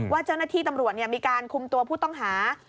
ว่าเจ้าหน้าที่ตำรวจมีการคุมตัวผู้ต้องหา